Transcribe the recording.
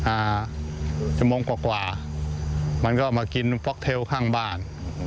อ่าชั่วโมงกว่ากว่ามันก็มากินฟ็อกเทลข้างบ้าน